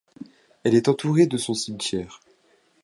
Elle est entourée de son cimetière.